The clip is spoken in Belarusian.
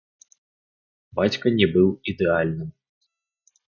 Бацька не быў ідэальным.